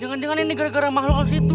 jangan jangan ini gara gara makhluk aus itu